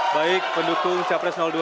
baik pendukung japres dua